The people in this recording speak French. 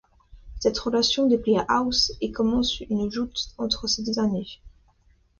Cette relation déplaît à House et commence une joute entre ces deux derniers.